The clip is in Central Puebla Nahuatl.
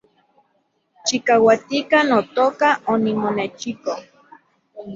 Chikauatika, notoka , onimonechiko